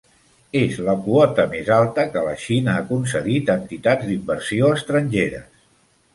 És la quota més alta que la Xina ha concedit a entitats d'inversió estrangeres.